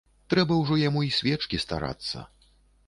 Трэба ўжо яму й свечкі старацца.